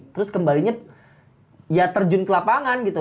terus kembalinya ya terjun ke lapangan gitu